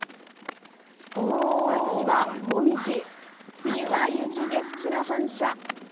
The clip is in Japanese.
秋はモミジ、冬は雪景色の反射。